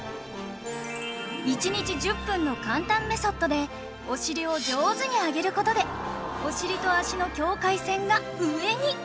１日１０分の簡単メソッドでお尻を上手に上げる事でお尻と脚の境界線が上に！